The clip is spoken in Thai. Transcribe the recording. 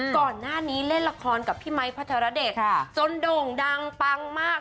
ก่อนหน้านี้เล่นละครกับพี่ไมค์พระธรเดชจนโด่งดังปังมาก